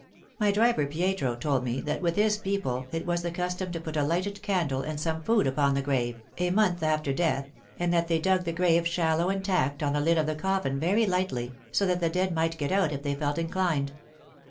My driver Pietro told me that with his people it was the custom to put a lighted candle and some food upon the grave, a month after death, and that they dug the grave shallow and tacked on the lid of the coffin very lightly, so that the dead might get out if they felt inclined.